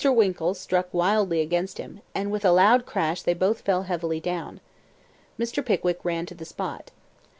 Winkle struck wildly against him, and with a loud crash they both fell heavily down. Mr. Pickwick ran to the spot.